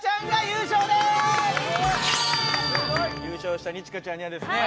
優勝した二千翔ちゃんにはですね